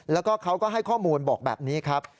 แล้วก็เขาก็ให้ข้อมูลบอกแบบนี้ครับ